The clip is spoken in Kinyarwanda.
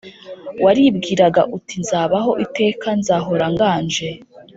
waribwiraga uti «nzabaho iteka, nzahora nganje!»